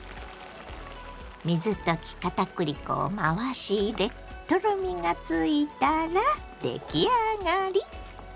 水溶き片栗粉を回し入れとろみがついたら出来上がり。